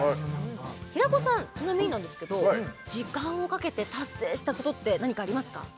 平子さんちなみになんですけど時間をかけて達成したことって何かありますか？